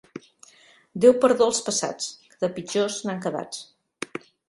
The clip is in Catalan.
Déu perdó als passats, que de pitjors n'han quedats.